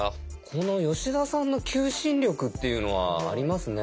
この吉田さんの求心力っていうのはありますね。